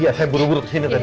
iya saya buru buru kesini tadi